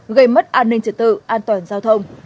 gây mất an ninh trật tự an toàn giao thông